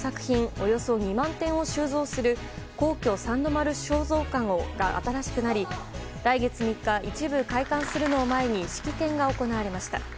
およそ２万点を収蔵する皇居三の丸尚蔵館が新しくなり来月３日、一部開館するのを前に式典が行われました。